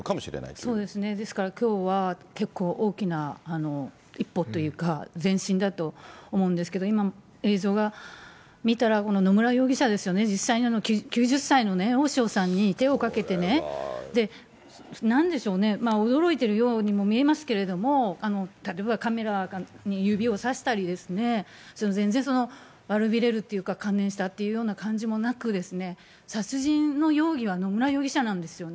そうですね、ですからきょうは大きな一歩というか、前進だと思うんですけど、今、映像が、見たら、野村容疑者ですよね、実際に９０歳の大塩さんに手をかけてね、なんでしょうね、驚いているようにも見えますけれども、例えばカメラに指をさしたりですね、全然悪びれるという、観念したっていうような感じもなくですね、殺人の容疑は野村容疑者なんですよね。